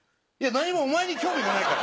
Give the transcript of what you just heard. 何もお前に興味がないから。